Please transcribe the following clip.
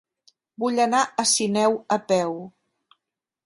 Vull anar a Sineu a peu.